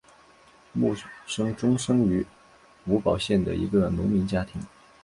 慕生忠生于吴堡县的一个农民家庭。